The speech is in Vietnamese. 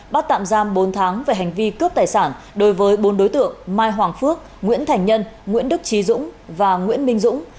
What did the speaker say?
bắt tạm giam bốn tháng về hành vi cướp tài sản đối với bốn đối tượng mai hoàng phước nguyễn thành nhân nguyễn đức trí dũng và nguyễn minh dũng